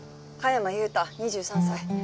加山優太２３歳。